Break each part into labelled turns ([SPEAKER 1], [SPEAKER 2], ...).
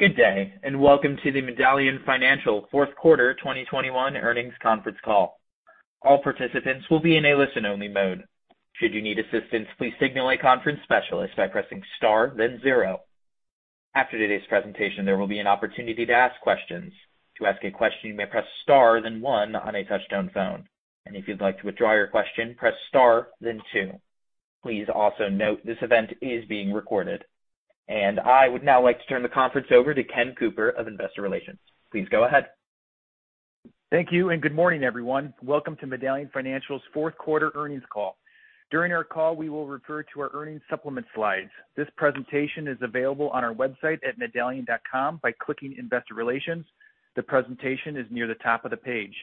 [SPEAKER 1] Good day, and welcome to the Medallion Financial fourth quarter 2021 earnings conference call. All participants will be in a listen-only mode. Should you need assistance, please signal a conference specialist by pressing star then zero. After today's presentation, there will be an opportunity to ask questions. To ask a question, you may press star then one on a touch-tone phone. If you'd like to withdraw your question, press star then two. Please also note this event is being recorded. I would now like to turn the conference over to Ken Cooper of Investor Relations. Please go ahead.
[SPEAKER 2] Thank you, and good morning, everyone. Welcome to Medallion Financial's fourth quarter earnings call. During our call, we will refer to our earnings supplement slides. This presentation is available on our website at medallion.com by clicking Investor Relations. The presentation is near the top of the page.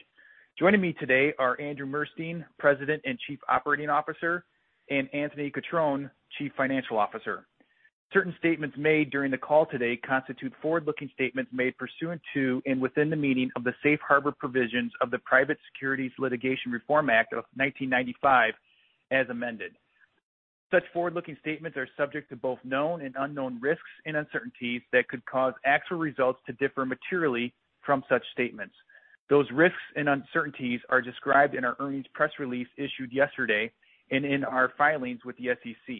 [SPEAKER 2] Joining me today are Andrew Murstein, President and Chief Operating Officer, and Anthony Cutrone, Chief Financial Officer. Certain statements made during the call today constitute forward-looking statements made pursuant to and within the meaning of the Safe Harbor provisions of the Private Securities Litigation Reform Act of 1995 as amended. Such forward-looking statements are subject to both known and unknown risks and uncertainties that could cause actual results to differ materially from such statements. Those risks and uncertainties are described in our earnings press release issued yesterday and in our filings with the SEC.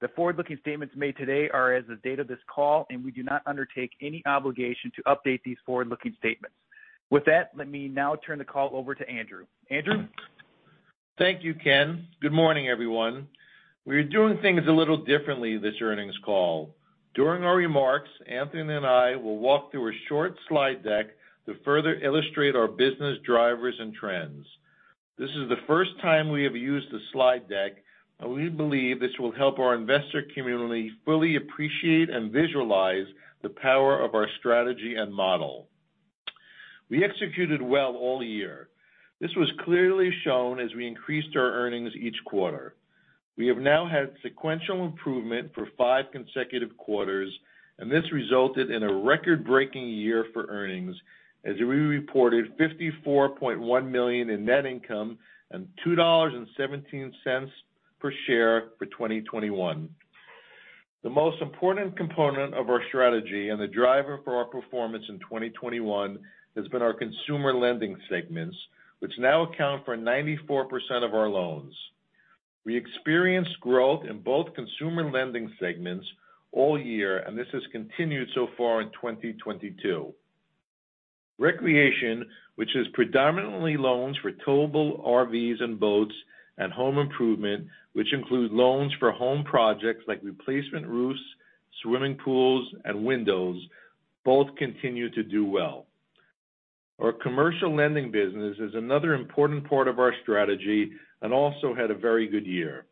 [SPEAKER 2] The forward-looking statements made today are as of the date of this call, and we do not undertake any obligation to update these forward-looking statements. With that, let me now turn the call over to Andrew. Andrew?
[SPEAKER 3] Thank you, Ken. Good morning, everyone. We're doing things a little differently this earnings call. During our remarks, Anthony and I will walk through a short slide deck to further illustrate our business drivers and trends. This is the first time we have used a slide deck, and we believe this will help our investor community fully appreciate and visualize the power of our strategy and model. We executed well all year. This was clearly shown as we increased our earnings each quarter. We have now had sequential improvement for five consecutive quarters, and this resulted in a record-breaking year for earnings as we reported $54.1 million in net income and $2.17 per share for 2021. The most important component of our strategy and the driver for our performance in 2021 has been our consumer lending segments, which now account for 94% of our loans. We experienced growth in both consumer lending segments all year, and this has continued so far in 2022. Recreation, which is predominantly loans for towable RVs and boats, and home improvement, which include loans for home projects like replacement roofs, swimming pools, and windows, both continue to do well. Our commercial lending business is another important part of our strategy and also had a very good year.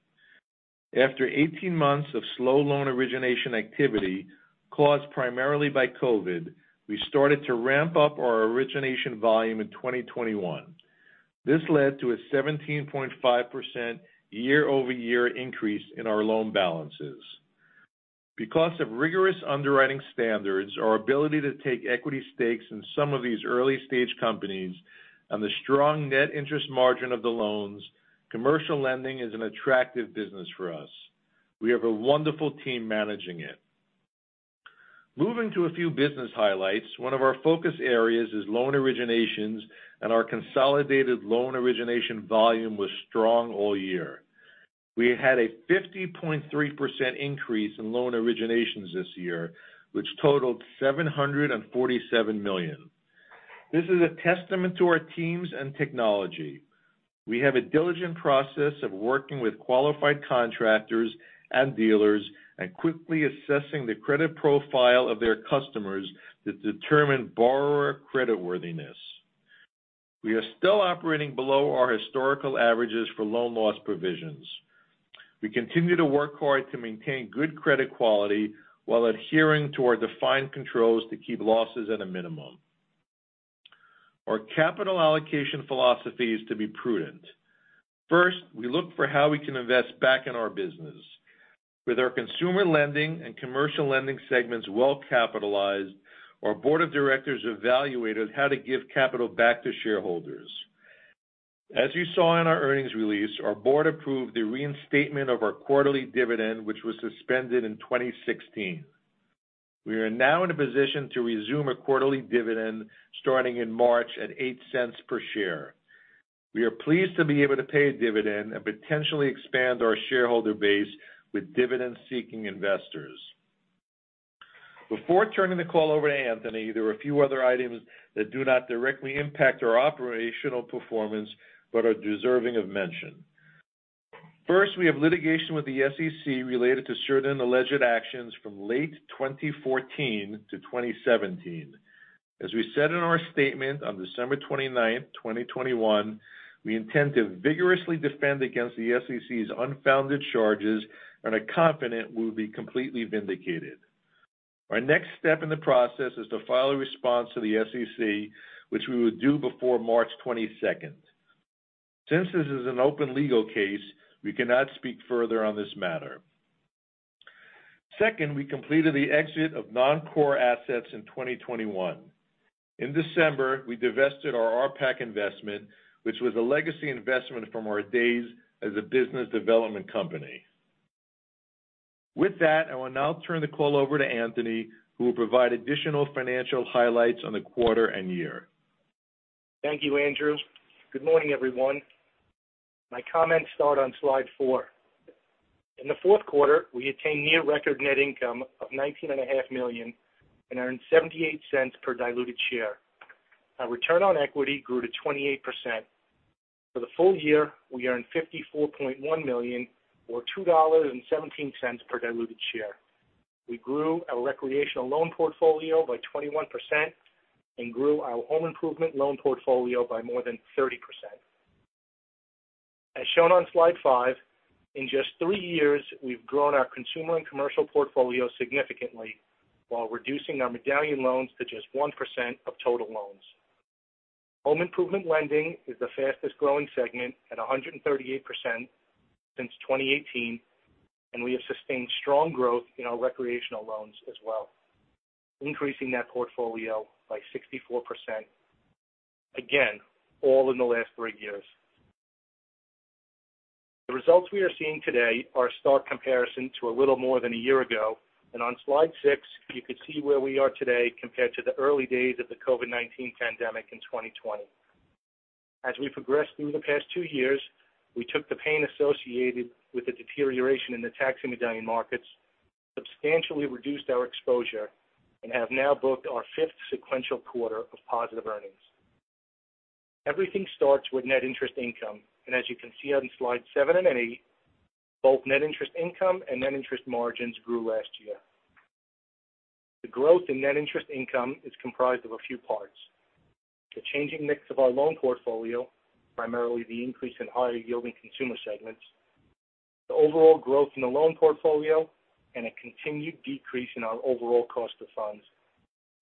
[SPEAKER 3] After 18 months of slow loan origination activity caused primarily by COVID, we started to ramp up our origination volume in 2021. This led to a 17.5% year-over-year increase in our loan balances. Because of rigorous underwriting standards, our ability to take equity stakes in some of these early-stage companies, and the strong net interest margin of the loans, commercial lending is an attractive business for us. We have a wonderful team managing it. Moving to a few business highlights, one of our focus areas is loan originations and our consolidated loan origination volume was strong all year. We had a 50.3% increase in loan originations this year, which totaled $747 million. This is a testament to our teams and technology. We have a diligent process of working with qualified contractors and dealers and quickly assessing the credit profile of their customers to determine borrower creditworthiness. We are still operating below our historical averages for loan loss provisions. We continue to work hard to maintain good credit quality while adhering to our defined controls to keep losses at a minimum. Our capital allocation philosophy is to be prudent. First, we look for how we can invest back in our business. With our consumer lending and commercial lending segments well-capitalized, our board of directors evaluated how to give capital back to shareholders. As you saw in our earnings release, our board approved the reinstatement of our quarterly dividend, which was suspended in 2016. We are now in a position to resume a quarterly dividend starting in March at $0.08 per share. We are pleased to be able to pay a dividend and potentially expand our shareholder base with dividend-seeking investors. Before turning the call over to Anthony, there are a few other items that do not directly impact our operational performance but are deserving of mention. First, we have litigation with the SEC related to certain alleged actions from late 2014 to 2017. As we said in our statement on December 29, 2021, we intend to vigorously defend against the SEC's unfounded charges and are confident we'll be completely vindicated. Our next step in the process is to file a response to the SEC, which we will do before March 22. Since this is an open legal case, we cannot speak further on this matter. Second, we completed the exit of non-core assets in 2021. In December, we divested our RPAC investment, which was a legacy investment from our days as a business development company. With that, I will now turn the call over to Anthony, who will provide additional financial highlights on the quarter and year.
[SPEAKER 4] Thank you, Andrew. Good morning, everyone. My comments start on slide four. In the fourth quarter, we attained near record net income of $19.5 million and earned $0.78 per diluted share. Our return on equity grew to 28%. For the full year, we earned $54.1 million, or $2.17 per diluted share. We grew our recreation loan portfolio by 21% and grew our home improvement loan portfolio by more than 30%. As shown on slide five, in just three years, we've grown our consumer and commercial portfolio significantly while reducing our Medallion loans to just 1% of total loans. Home improvement lending is the fastest growing segment at 138% since 2018, and we have sustained strong growth in our recreational loans as well, increasing that portfolio by 64%, again, all in the last three years. The results we are seeing today are a stark comparison to a little more than a year ago. On slide six, you could see where we are today compared to the early days of the COVID-19 pandemic in 2020. As we progressed through the past two years, we took the pain associated with the deterioration in the tax and Medallion markets, substantially reduced our exposure, and have now booked our fifth sequential quarter of positive earnings. Everything starts with net interest income. As you can see on slide seven and eight, both net interest income and net interest margins grew last year. The growth in net interest income is comprised of a few parts. The changing mix of our loan portfolio, primarily the increase in higher-yielding consumer segments, the overall growth in the loan portfolio, and a continued decrease in our overall cost of funds,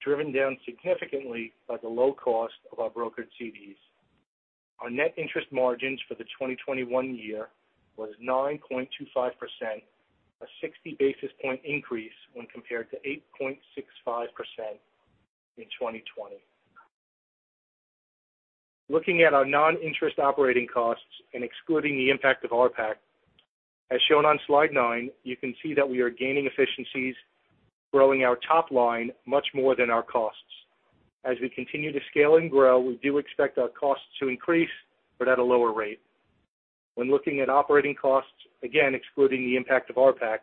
[SPEAKER 4] driven down significantly by the low cost of our brokered CDs. Our net interest margins for the 2021 year was 9.25%, a 60 basis point increase when compared to 8.65% in 2020. Looking at our non-interest operating costs and excluding the impact of RPAC, as shown on slide nine, you can see that we are gaining efficiencies, growing our top line much more than our costs. As we continue to scale and grow, we do expect our costs to increase but at a lower rate. When looking at operating costs, again excluding the impact of RPAC,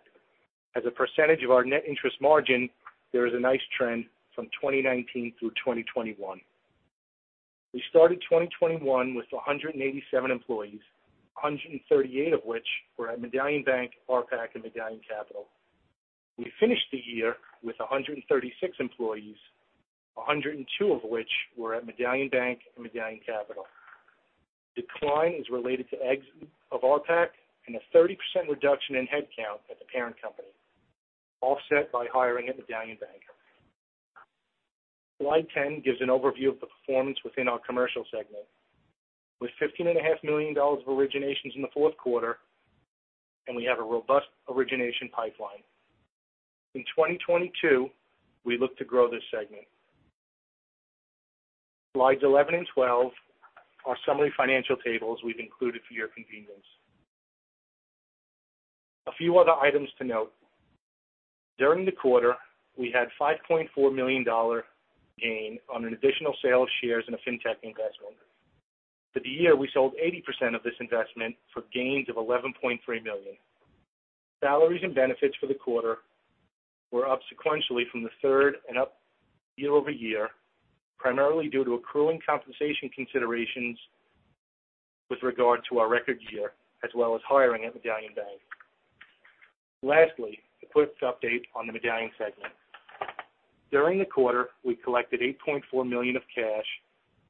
[SPEAKER 4] as a percentage of our net interest margin, there is a nice trend from 2019 through 2021. We started 2021 with 187 employees, 138 of which were at Medallion Bank, RPAC, and Medallion Capital. We finished the year with 136 employees, 102 of which were at Medallion Bank and Medallion Capital. Decline is related to exit of RPAC and a 30% reduction in headcount at the parent company, offset by hiring at Medallion Bank. Slide 10 gives an overview of the performance within our commercial segment. With $15.5 million of originations in the fourth quarter, and we have a robust origination pipeline. In 2022, we look to grow this segment. Slides 11 and 12 are summary financial tables we've included for your convenience. A few other items to note. During the quarter, we had $5.4 million gain on an additional sale of shares in a Fintech investment. For the year, we sold 80% of this investment for gains of $11.3 million. Salaries and benefits for the quarter were up sequentially from the third and up year-over-year, primarily due to accruing compensation considerations with regard to our record year, as well as hiring at Medallion Bank. Lastly, a quick update on the medallion segment. During the quarter, we collected $8.4 million of cash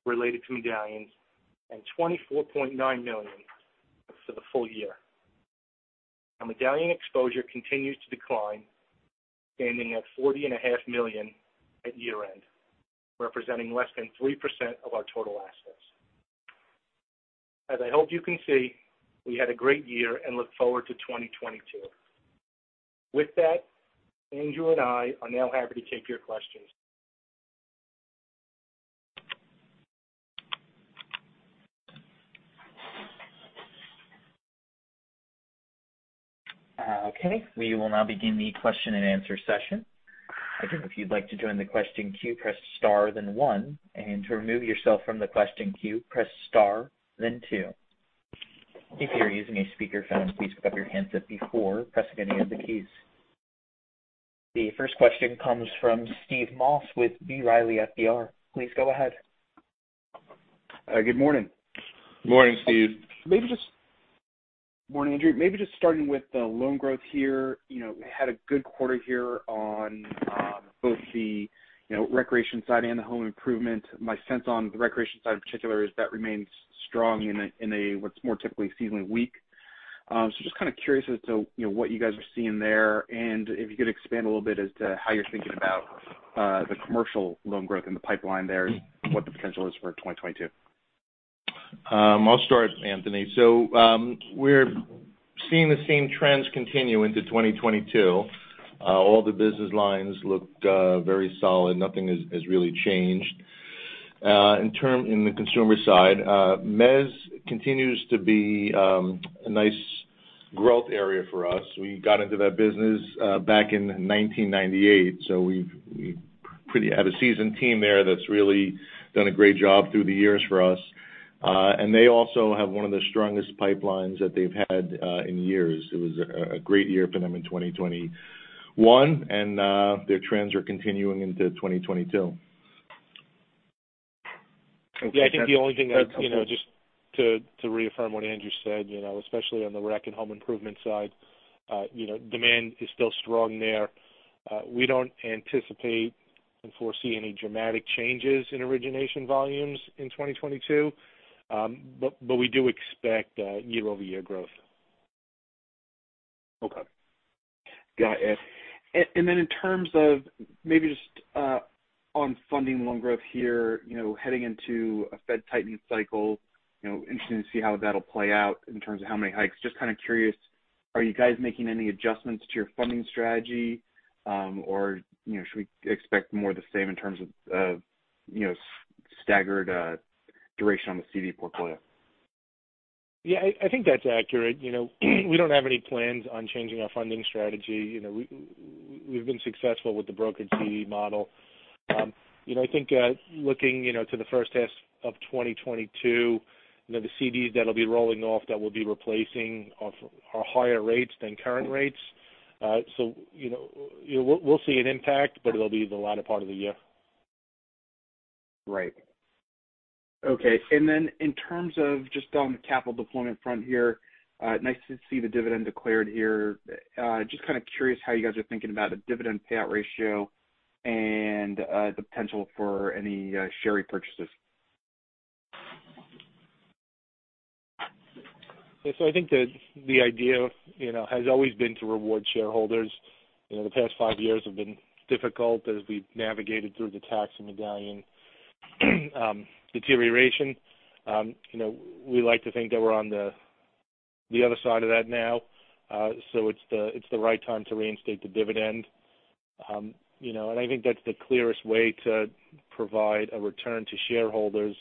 [SPEAKER 4] related to medallions and $24.9 million for the full year. Our medallion exposure continues to decline, standing at $40.5 million at year-end, representing less than 3% of our total assets. As I hope you can see, we had a great year and look forward to 2022. With that, Andrew and I are now happy to take your questions.
[SPEAKER 1] Okay. We will now begin the question-and-answer session. Again, if you'd like to join the question queue, press star then one. To remove yourself from the question queue, press star then two. If you're using a speakerphone, please pick up your handset before pressing any of the keys. The first question comes from Steve Moss with B. Riley Securities. Please go ahead.
[SPEAKER 5] Good morning.
[SPEAKER 3] Morning, Steve.
[SPEAKER 5] Morning, Andrew. Maybe just starting with the loan growth here. You know, we had a good quarter here on both the, you know, recreation side and the home improvement. My sense on the recreation side in particular is that remains strong in a what's more typically seasonally weak. So just kinda curious as to, you know, what you guys are seeing there, and if you could expand a little bit as to how you're thinking about the commercial loan growth in the pipeline there and what the potential is for 2022.
[SPEAKER 3] I'll start, Anthony. We're seeing the same trends continue into 2022. All the business lines look very solid. Nothing has really changed. In the consumer side, [mezz] continues to be a nice growth area for us. We got into that business back in 1998, so we have a seasoned team there that's really done a great job through the years for us. They also have one of the strongest pipelines that they've had in years. It was a great year for them in 2021 and their trends are continuing into 2022.
[SPEAKER 4] Yeah, I think the only thing that, you know, just to reaffirm what Andrew said, you know, especially on the rec and home improvement side, demand is still strong there. We don't anticipate and foresee any dramatic changes in origination volumes in 2022. But we do expect year-over-year growth.
[SPEAKER 5] Okay. Got it. In terms of maybe just, on funding loan growth here, you know, heading into a Fed tightening cycle, you know, interesting to see how that'll play out in terms of how many hikes. Just kind of curious, are you guys making any adjustments to your funding strategy, or, you know, should we expect more of the same in terms of, you know, staggered duration on the CD portfolio?
[SPEAKER 4] Yeah, I think that's accurate. You know, we don't have any plans on changing our funding strategy. You know, we've been successful with the brokered CD model. I think looking to the first half of 2022, you know, the CDs that'll be rolling off that we'll be replacing are higher rates than current rates. You know, we'll see an impact, but it'll be the latter part of the year.
[SPEAKER 5] Right. Okay. In terms of just on the capital deployment front here, nice to see the dividend declared here. Just kind of curious how you guys are thinking about a dividend payout ratio and the potential for any share repurchases.
[SPEAKER 4] I think that the idea, you know, has always been to reward shareholders. You know, the past five years have been difficult as we navigated through the tax and Medallion deterioration. You know, we like to think that we're on the other side of that now. It's the right time to reinstate the dividend. You know, and I think that's the clearest way to provide a return to shareholders.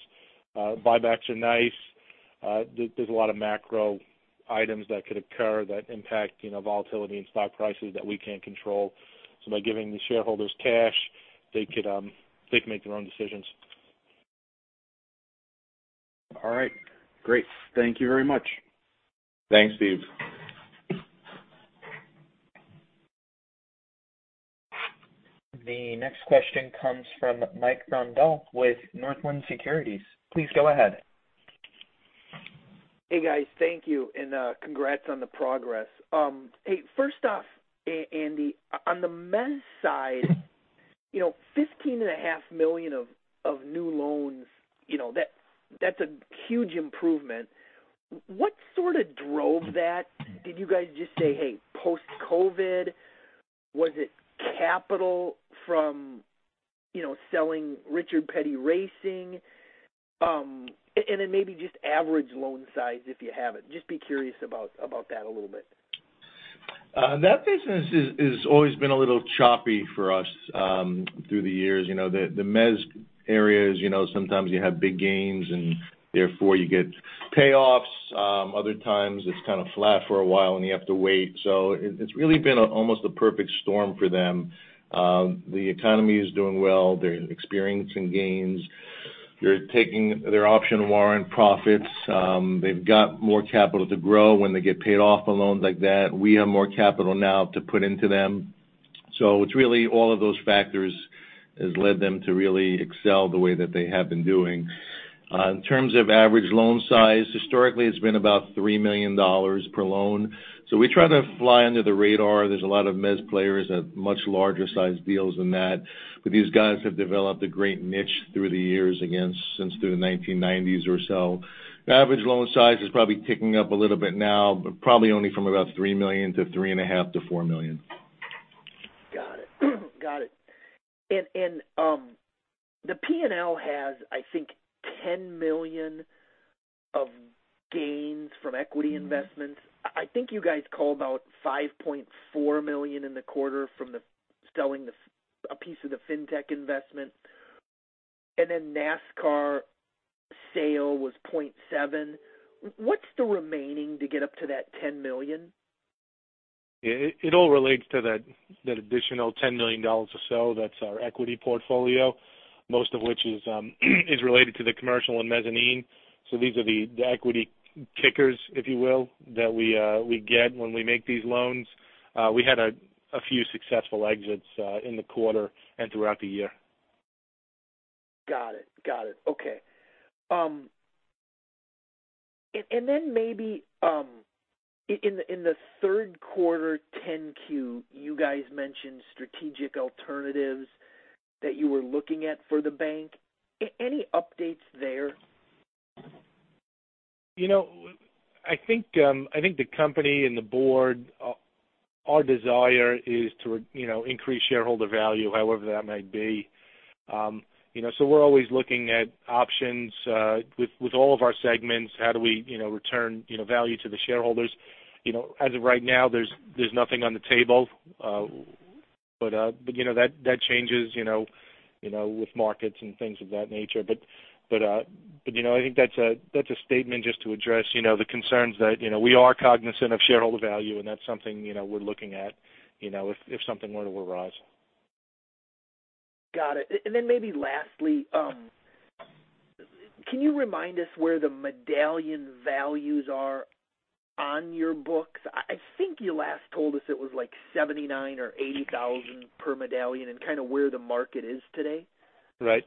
[SPEAKER 4] Buybacks are nice. There's a lot of macro items that could occur that impact, you know, volatility and stock prices that we can't control. By giving the shareholders cash, they can make their own decisions.
[SPEAKER 5] All right. Great. Thank you very much.
[SPEAKER 3] Thanks, Steve.
[SPEAKER 1] The next question comes from Mike Grondahl with Northland Securities. Please go ahead.
[SPEAKER 6] Hey, guys. Thank you. Congrats on the progress. Hey, first off, Andy, on the mezz side, you know, $15.5 million of new loans, you know, that's a huge improvement. What sort of drove that? Did you guys just say, "Hey, post-COVID?" Was it capital from, you know, selling Richard Petty racing? And then maybe just average loan size, if you have it. Just be curious about that a little bit.
[SPEAKER 3] That business is always been a little choppy for us, through the years. You know, the mezz areas, you know, sometimes you have big gains, and therefore you get payoffs. Other times it's kind of flat for a while, and you have to wait. It's really been almost a perfect storm for them. The economy is doing well. They're experiencing gains. They're taking their option warrant profits. They've got more capital to grow when they get paid off a loan like that. We have more capital now to put into them. It's really all of those factors has led them to really excel the way that they have been doing. In terms of average loan size, historically, it's been about $3 million per loan. We try to fly under the radar. There's a lot of mezz players that do much larger sized deals than that. These guys have developed a great niche through the years, again, since the 1990s or so. The average loan size is probably ticking up a little bit now, but probably only from about $3 million to $3.5 million-$4 million.
[SPEAKER 6] Got it. The P&L has, I think, $10 million of gains from equity investments. I think you guys called out $5.4 million in the quarter from selling a piece of the Fintech investment, and then NASCAR sale was $0.7 million. What's the remaining to get up to that $10 million?
[SPEAKER 4] It all relates to that additional $10 million or so. That's our equity portfolio, most of which is related to the commercial and mezzanine. These are the equity kickers, if you will, that we get when we make these loans. We had a few successful exits in the quarter and throughout the year.
[SPEAKER 6] Got it. Okay. Then maybe in the third quarter 10-Q, you guys mentioned strategic alternatives that you were looking at for the bank. Any updates there?
[SPEAKER 4] You know, I think the company and the board. Our desire is to increase shareholder value, however that might be. You know, we're always looking at options with all of our segments, how do we return value to the shareholders. You know, as of right now, there's nothing on the table. You know, that changes with markets and things of that nature. You know, I think that's a statement just to address the concerns that we are cognizant of shareholder value, and that's something we're looking at if something were to arise.
[SPEAKER 6] Got it. Then maybe lastly, can you remind us where the Medallion values are on your books? I think you last told us it was like $79,000-$80,000 per Medallion, and kinda where the market is today.
[SPEAKER 4] Right.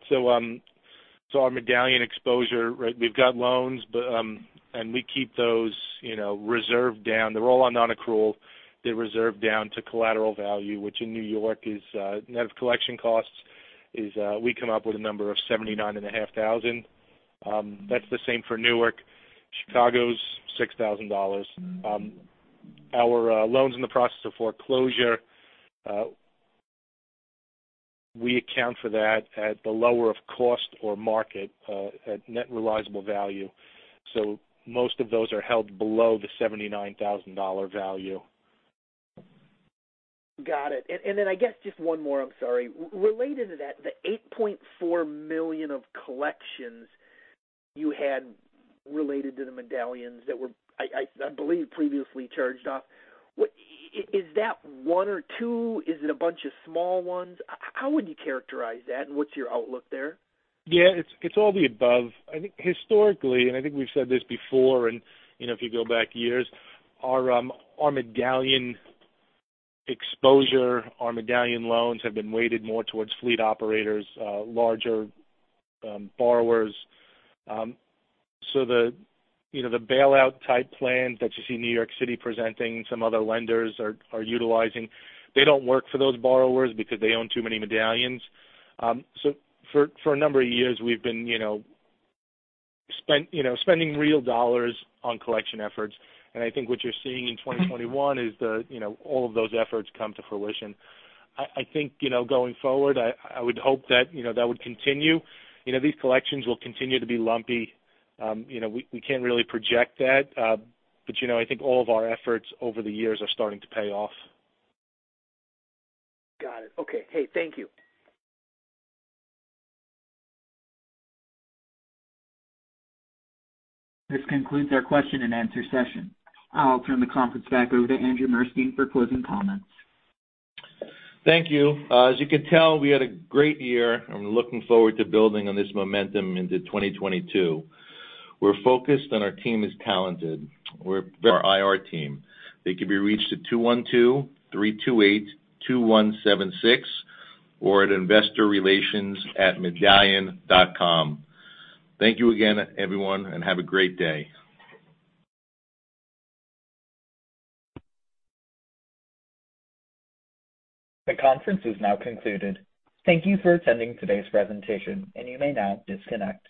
[SPEAKER 4] Our Medallion exposure, right, we've got loans, and we keep those, you know, reserved down. They're all on non-accrual. They're reserved down to collateral value, which in New York is net of collection costs, we come up with a number of $79,500. That's the same for Newark. Chicago's $6,000. Our loans in the process of foreclosure, we account for that at the lower of cost or market, at net realizable value. Most of those are held below the $79,000 value.
[SPEAKER 6] Got it. I guess just one more, I'm sorry. Related to that, the $8.4 million of collections you had related to the medallions that were I believe previously charged off. What is that one or two? Is it a bunch of small ones? How would you characterize that, and what's your outlook there?
[SPEAKER 4] Yeah, it's all the above. I think historically, and I think we've said this before, and you know, if you go back years, our Medallion exposure, our Medallion loans have been weighted more towards fleet operators, larger borrowers. So the bailout-type plans that you see New York City presenting, some other lenders are utilizing, they don't work for those borrowers because they own too many Medallions. So for a number of years we've been spending real dollars on collection efforts. I think what you're seeing in 2021 is all of those efforts come to fruition. I think going forward, I would hope that would continue. You know, these collections will continue to be lumpy. You know, we can't really project that. You know, I think all of our efforts over the years are starting to pay off.
[SPEAKER 6] Got it. Okay. Hey, thank you.
[SPEAKER 1] This concludes our question and answer session. I'll turn the conference back over to Andrew Murstein for closing comments.
[SPEAKER 3] Thank you. As you can tell, we had a great year. I'm looking forward to building on this momentum into 2022. We're focused, and our team is talented, our IR team. They can be reached at 212-328-2176 or at investorrelations@medallion.com. Thank you again, everyone, and have a great day.
[SPEAKER 1] The conference is now concluded. Thank you for attending today's presentation, and you may now disconnect.